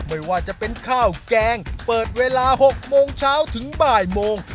ไม่ว่าจะเป็นข้าวแกงเปิดเวลา๖โมงเช้าถึงบ่ายโมง